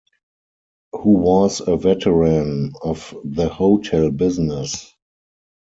Who was a veteran of the hotel business.